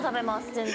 全然。